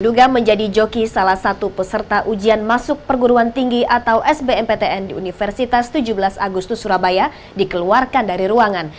juga menjadi joki salah satu peserta ujian masuk perguruan tinggi atau sbmptn di universitas tujuh belas agustus surabaya dikeluarkan dari ruangan